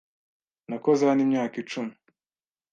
Nakoze hano imyaka icumi.